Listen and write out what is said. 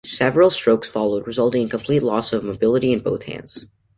Several strokes followed, resulting in complete loss of mobility in both hands.